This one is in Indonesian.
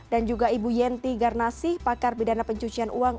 dan juga ibu yenty garnasih pakar bidana pencucian uang